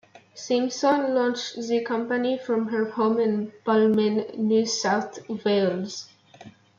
Simson launched the company from her home in Balmain, New South Wales.